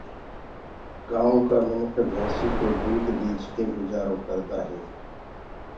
گآيونٚ ڪآ مِنک ڀيسينٚ ڪو دود ٻيچ ڪي گجآرو ڪردآ هينٚ۔